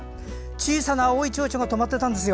小さな青いちょうちょがとまってたんですよ。